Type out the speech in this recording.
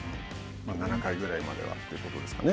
７回ぐらいまではということですかね。